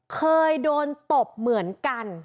เคยโดนตบเหมือนกัน